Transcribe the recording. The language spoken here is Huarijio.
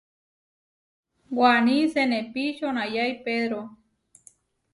Waní senepí čonayái pedro.